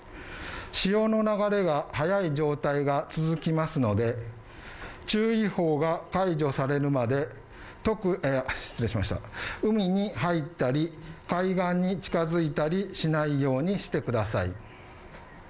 潮の流れが速い状態が続きますので、注意報が解除されるまで、海に入ったり海岸に近づいたりしないようにしてください。